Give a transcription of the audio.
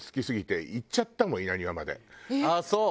ああそう。